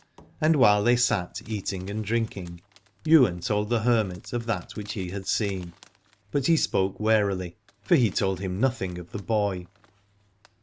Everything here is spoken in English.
And while they sat eating and drinking Ywain told the hermit of that which he had seen : but he spoke warily, for he told him nothing of the boy.